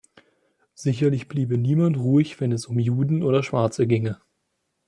Sicherlich bliebe niemand ruhig, wenn es um Juden oder Schwarze ginge.